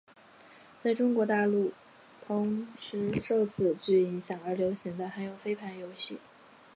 在中国大陆同时受此剧影响而流行的还有飞盘游戏。